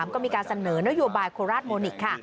ก็มีการเสนอนโยบายโคราชโมนิกค่ะ